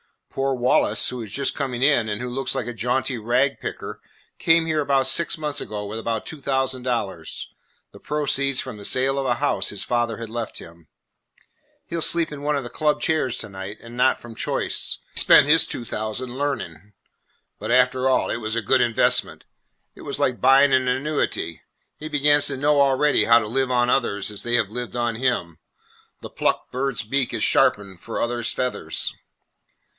Poor Wallace, who is just coming in, and who looks like a jaunty ragpicker, came here about six months ago with about two thousand dollars, the proceeds from the sale of a house his father had left him. He 'll sleep in one of the club chairs to night, and not from choice. He spent his two thousand learning. But, after all, it was a good investment. It was like buying an annuity. He begins to know already how to live on others as they have lived on him. The plucked bird's beak is sharpened for other's feathers.